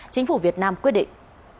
chính phủ việt nam quyết định